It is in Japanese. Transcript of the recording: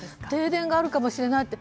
停電があるかもしれない。